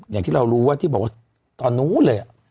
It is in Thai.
อย่างที่เรารู้ว่าที่บอกว่าตอนนู้นเลย